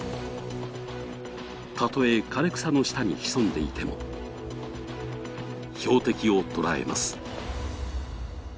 たとえ枯れ草の下に潜んでいても、標的を捉えます。